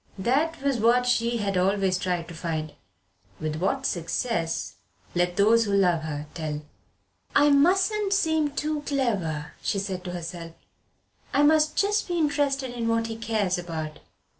That was what she had always tried to find. With what success let those who love her tell. "I mustn't seem too clever," she said to herself; "I must just be interested in what he cares about.